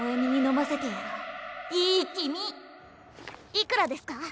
いくらですか？